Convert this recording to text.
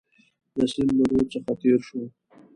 د سیند له رود څخه تېر شو.